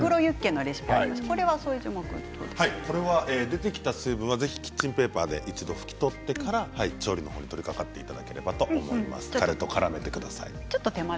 出てきた水分はキッチンペーパーで一度拭き取ってから調理に取りかかっていていただければと思います。